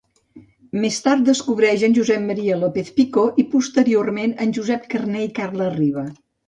Més tard, descobreix en Josep Maria López-Picó i posteriorment, en Josep Carner i Carles Riba.